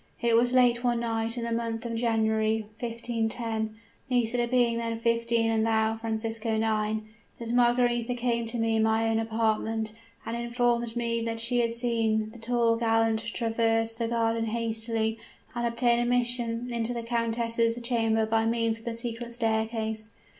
It was late one night, in the month of January, 1510, Nisida being then fifteen and thou, Francisco, nine, that Margaretha came to me in my own apartment and informed me that she had seen the tall gallant traverse the garden hastily and obtain admission into the countess' chamber by means of the secret staircase.